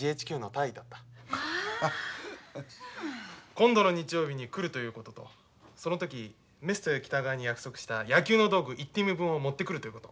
今度の日曜日に来るということとその時ミスター北川に約束した野球の道具１チーム分を持ってくるということ。